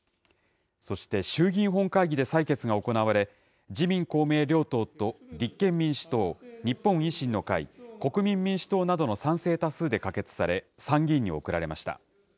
そして衆議院本会議で採決が行われ、自民、公明両党と立憲民主党、日本維新の会、国民民主党などの賛成多数で可決され、参議院に送られました。